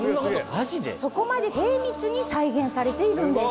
そこまで精密に再現されているんです。